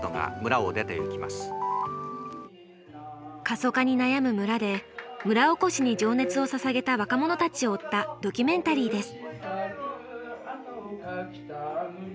過疎化に悩む村で村おこしに情熱をささげた若者たちを追ったドキュメンタリーです。